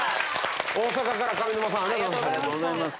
大阪から上沼さんありがとうございました。